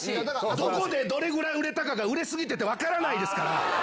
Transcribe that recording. どこでどれぐらい売れてたかが売れ過ぎてて分からないですか